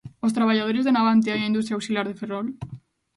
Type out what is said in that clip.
¿Os traballadores de Navantia e a industria auxiliar de Ferrol?